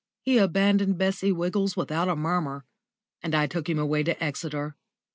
He abandoned Bessie Wiggles without a murmur, and I took him away to Exeter.